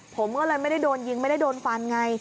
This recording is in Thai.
ผมก็เลยไม่ได้โดนยิงไม่ได้โดนฟันไง